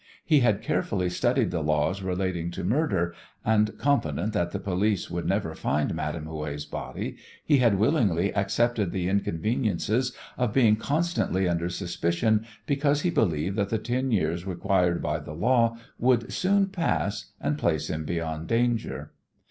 He had carefully studied the laws relating to murder, and, confident that the police would never find Madame Houet's body, he had willingly accepted the inconveniences of being constantly under suspicion because he believed that the ten years required by the law would soon pass and place him beyond danger.